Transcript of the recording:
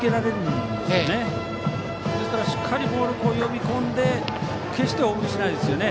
ですからしっかりボールを呼び込んで決して大振りしないですね。